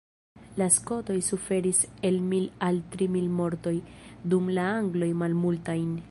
La skotoj suferis el mil al tri mil mortoj, dum la angloj malmultajn.